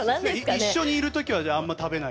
一緒にいる時はあんまり食べない？